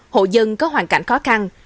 hộ dân có hoàn cảnh khó khăn